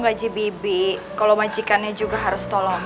gaji bibi kalau majikannya juga harus tolong